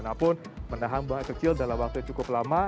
walaupun menahan buang air kecil dalam waktu yang cukup lama